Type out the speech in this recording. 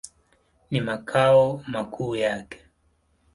Ni makao makuu yake.